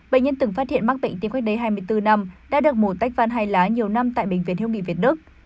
bệnh nhân từng phát hiện mắc bệnh tiêm khách đầy hai mươi bốn năm đã được mổ tách văn hai lá nhiều năm tại bệnh viện hiếu nghị việt đức